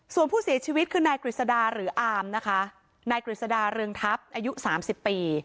ส่วนผู้เสียชีวิตคือนายกฤษดาหรืออามนะคะนายกฤษดาเรืองทัพอายุ๓๐ปี